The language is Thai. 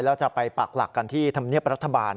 แล้วจะไปปักหลักกันที่ธรรมเนียบรัฐบาล